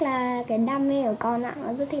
là cái đam mê của con ạ con rất thích